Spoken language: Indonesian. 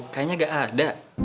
kayanya gak ada